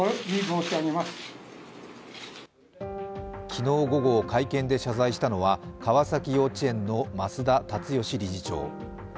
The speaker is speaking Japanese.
昨日午後、会見で謝罪したのは川崎幼稚園の増田立義理事長。